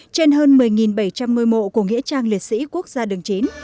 trên hơn một mươi bảy trăm linh mô của nghĩa trang liệt sĩ quốc gia được chín